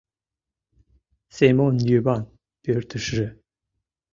Семон Йыван пӧртешыже